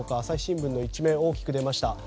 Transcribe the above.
朝日新聞の１面に大きく出ました。